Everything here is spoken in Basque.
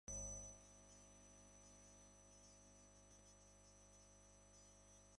Ikusi hemen kontzertu horren aurrerapena!